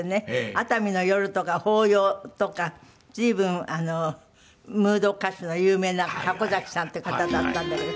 『熱海の夜』とか『抱擁』とか随分ムード歌手の有名な箱崎さんっていう方だったんだけど。